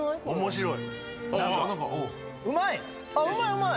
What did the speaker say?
うまい。